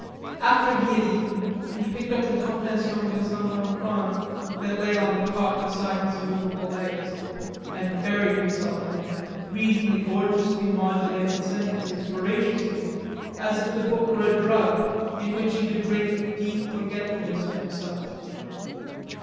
After he had eaten, he picked up the "Tentation de Saint Antoine," that lay on the cot beside his immovable legs, and buried himself in it, reading the gorgeously modulated sentences voraciously, as if the book were a drug in which he could drink deep forgetfulness of himself.